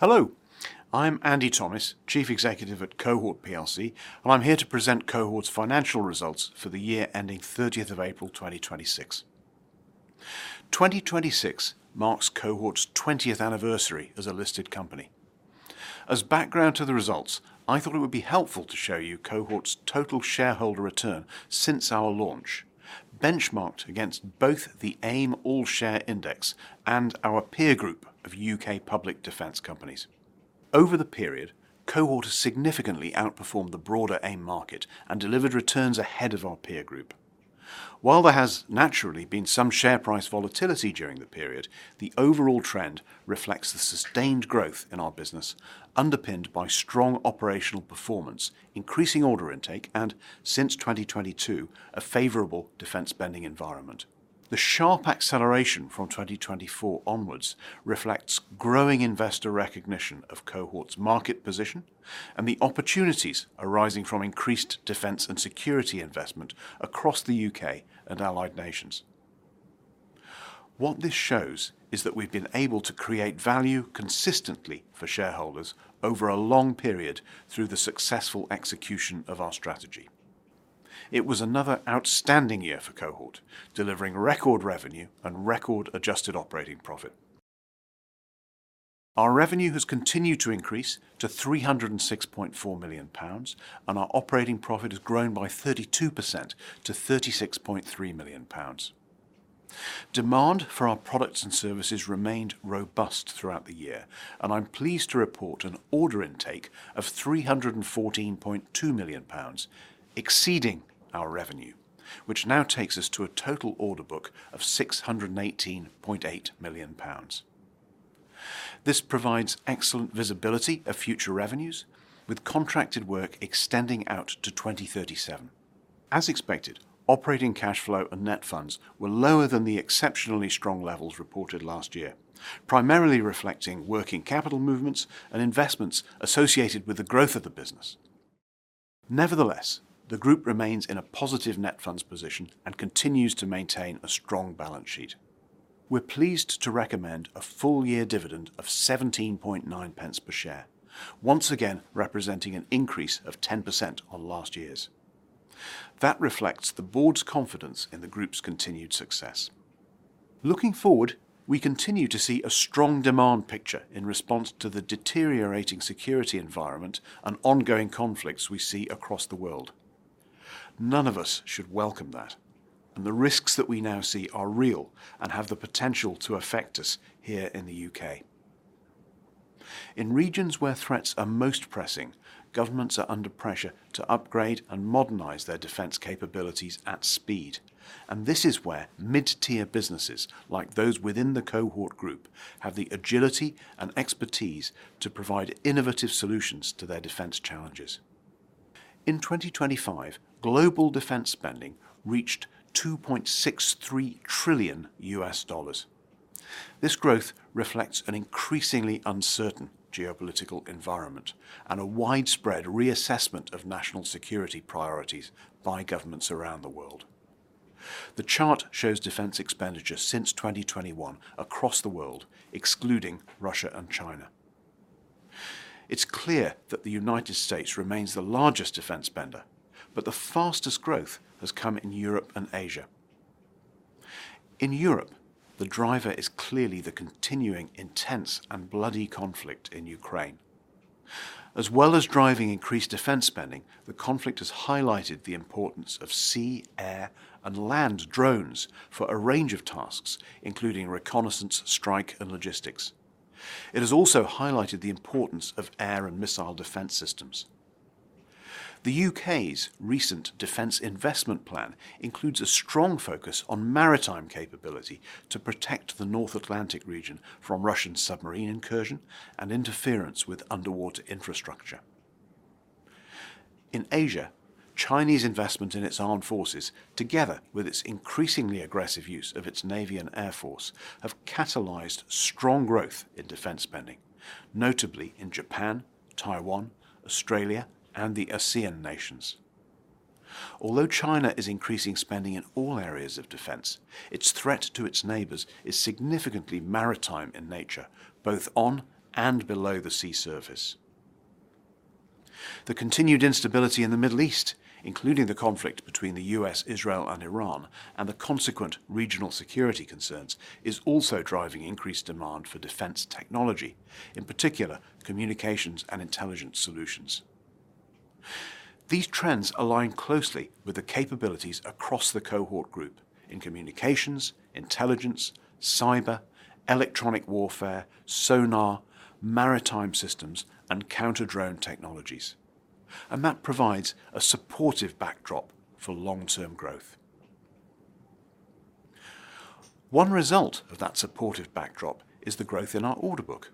Hello, I'm Andy Thomis, Chief Executive at Cohort plc, and I'm here to present Cohort's financial results for the year ending 30th of April 2026. 2026 marks Cohort's 20th anniversary as a listed company. As background to the results, I thought it would be helpful to show you Cohort's total shareholder return since our launch, benchmarked against both the AIM All-Share Index and our peer group of U.K. public defense companies. Over the period, Cohort has significantly outperformed the broader AIM market and delivered returns ahead of our peer group. While there has naturally been some share price volatility during the period, the overall trend reflects the sustained growth in our business, underpinned by strong operational performance, increasing order intake, and since 2022, a favorable defense spending environment. The sharp acceleration from 2024 onwards reflects growing investor recognition of Cohort's market position and the opportunities arising from increased defense and security investment across the U.K. and allied nations. What this shows is that we've been able to create value consistently for shareholders over a long period through the successful execution of our strategy. It was another outstanding year for Cohort, delivering record revenue and record adjusted operating profit. Our revenue has continued to increase to 306.4 million pounds, and our operating profit has grown by 32% to 36.3 million pounds. Demand for our products and services remained robust throughout the year, and I'm pleased to report an order intake of 314.2 million pounds, exceeding our revenue, which now takes us to a total order book of 618.8 million pounds. This provides excellent visibility of future revenues, with contracted work extending out to 2037. As expected, operating cash flow and net funds were lower than the exceptionally strong levels reported last year, primarily reflecting working capital movements and investments associated with the growth of the business. Nevertheless, the group remains in a positive net funds position and continues to maintain a strong balance sheet. We're pleased to recommend a full-year dividend of 0.179 per share, once again representing an increase of 10% on last year's. That reflects the board's confidence in the group's continued success. Looking forward, we continue to see a strong demand picture in response to the deteriorating security environment and ongoing conflicts we see across the world. None of us should welcome that, and the risks that we now see are real and have the potential to affect us here in the U.K. In regions where threats are most pressing, governments are under pressure to upgrade and modernize their defense capabilities at speed, and this is where mid-tier businesses, like those within the Cohort group, have the agility and expertise to provide innovative solutions to their defense challenges. In 2025, global defense spending reached $2.63 trillion. This growth reflects an increasingly uncertain geopolitical environment and a widespread reassessment of national security priorities by governments around the world. The chart shows defense expenditure since 2021 across the world, excluding Russia and China. It's clear that the United States remains the largest defense spender, but the fastest growth has come in Europe and Asia. In Europe, the driver is clearly the continuing intense and bloody conflict in Ukraine. As well as driving increased defense spending, the conflict has highlighted the importance of sea, air, and land drones for a range of tasks, including reconnaissance, strike, and logistics. It has also highlighted the importance of air and missile defense systems. The U.K.'s recent defense investment plan includes a strong focus on maritime capability to protect the North Atlantic region from Russian submarine incursion and interference with underwater infrastructure. In Asia, Chinese investment in its armed forces, together with its increasingly aggressive use of its navy and air force, have catalyzed strong growth in defense spending, notably in Japan, Taiwan, Australia, and the ASEAN nations. Although China is increasing spending in all areas of defense, its threat to its neighbors is significantly maritime in nature, both on and below the sea surface. The continued instability in the Middle East, including the conflict between the U.S., Israel, and Iran, and the consequent regional security concerns, is also driving increased demand for defense technology, in particular, Communications and Intelligence solutions. These trends align closely with the capabilities across the Cohort Group in communications, intelligence, cyber, electronic warfare, sonar, maritime systems, and counter-drone technologies. That provides a supportive backdrop for long-term growth. One result of that supportive backdrop is the growth in our order book.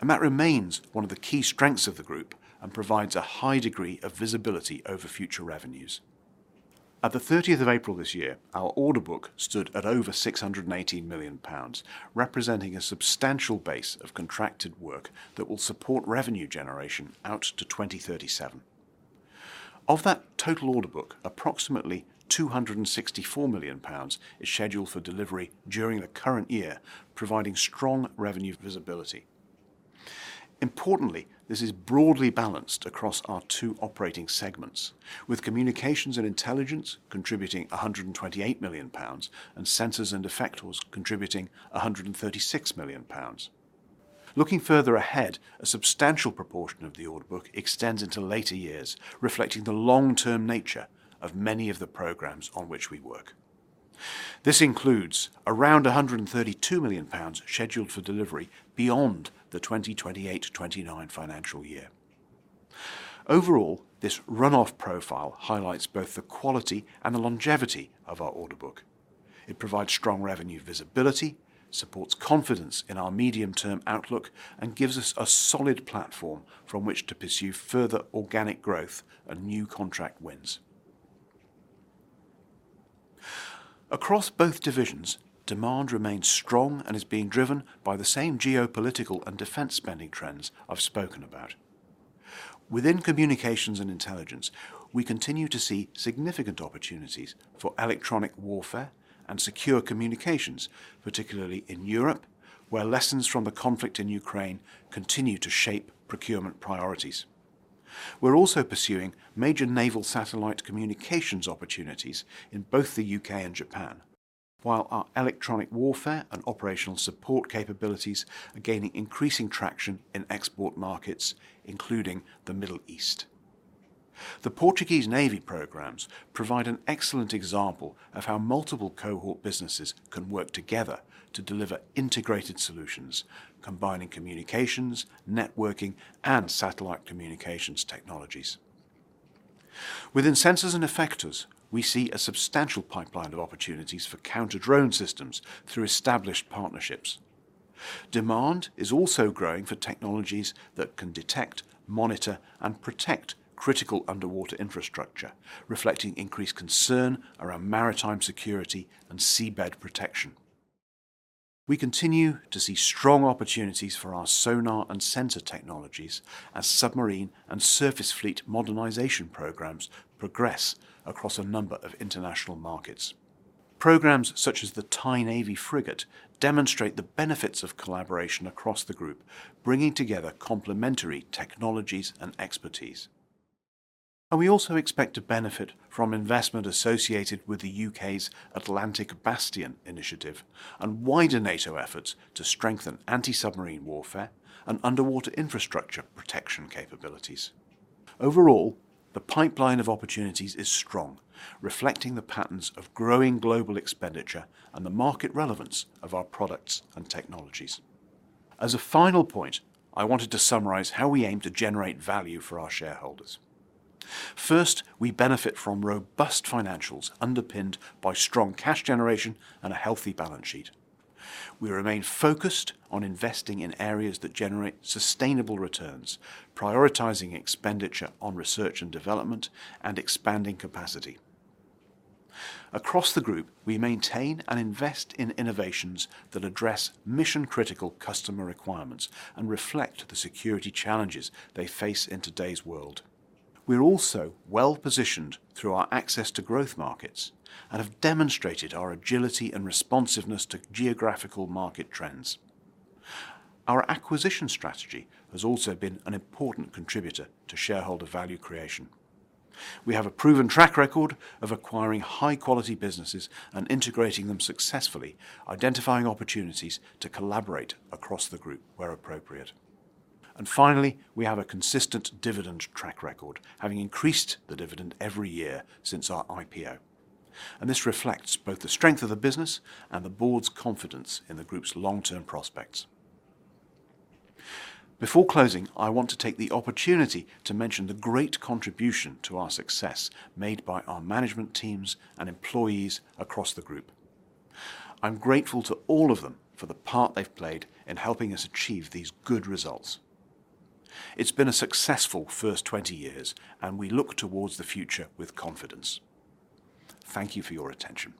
That remains one of the key strengths of the group and provides a high degree of visibility over future revenues. At the 30th of April this year, our order book stood at over 618 million pounds, representing a substantial base of contracted work that will support revenue generation out to 2037. Of that total order book, approximately 264 million pounds is scheduled for delivery during the current year, providing strong revenue visibility. Importantly, this is broadly balanced across our two operating segments, with Communications and Intelligence contributing 128 million pounds and Sensors and Effectors contributing 136 million pounds. Looking further ahead, a substantial proportion of the order book extends into later years, reflecting the long-term nature of many of the programs on which we work. This includes around 132 million pounds scheduled for delivery beyond the 2028-2029 financial year. Overall, this run-off profile highlights both the quality and the longevity of our order book. It provides strong revenue visibility, supports confidence in our medium-term outlook, and gives us a solid platform from which to pursue further organic growth and new contract wins. Across both divisions, demand remains strong and is being driven by the same geopolitical and defense spending trends I've spoken about. Within Communications and Intelligence, we continue to see significant opportunities for electronic warfare and secure communications, particularly in Europe, where lessons from the conflict in Ukraine continue to shape procurement priorities. We're also pursuing major naval satellite communications opportunities in both the U.K. and Japan, while our electronic warfare and operational support capabilities are gaining increasing traction in export markets, including the Middle East. The Portuguese Navy programs provide an excellent example of how multiple Cohort businesses can work together to deliver integrated solutions, combining communications, networking, and satellite communications technologies. Within Sensors and Effectors, we see a substantial pipeline of opportunities for counter-drone systems through established partnerships. Demand is also growing for technologies that can detect, monitor, and protect critical underwater infrastructure, reflecting increased concern around maritime security and seabed protection. We continue to see strong opportunities for our sonar and sensor technologies as submarine and surface fleet modernization programs progress across a number of international markets. Programs such as the Thai Navy Frigate demonstrate the benefits of collaboration across the group, bringing together complementary technologies and expertise. We also expect to benefit from investment associated with the U.K.'s Atlantic Bastion initiative and wider NATO efforts to strengthen anti-submarine warfare and underwater infrastructure protection capabilities. Overall, the pipeline of opportunities is strong, reflecting the patterns of growing global expenditure and the market relevance of our products and technologies. As a final point, I wanted to summarize how we aim to generate value for our shareholders. First, we benefit from robust financials underpinned by strong cash generation and a healthy balance sheet. We remain focused on investing in areas that generate sustainable returns, prioritizing expenditure on research and development and expanding capacity. Across the group, we maintain and invest in innovations that address mission-critical customer requirements and reflect the security challenges they face in today's world. We're also well-positioned through our access to growth markets and have demonstrated our agility and responsiveness to geographical market trends. Our acquisition strategy has also been an important contributor to shareholder value creation. We have a proven track record of acquiring high-quality businesses and integrating them successfully, identifying opportunities to collaborate across the group where appropriate. Finally, we have a consistent dividend track record, having increased the dividend every year since our IPO. This reflects both the strength of the business and the board's confidence in the group's long-term prospects. Before closing, I want to take the opportunity to mention the great contribution to our success made by our management teams and employees across the group. I'm grateful to all of them for the part they've played in helping us achieve these good results. It's been a successful first 20 years, and we look towards the future with confidence. Thank you for your attention.